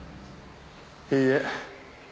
いいえ。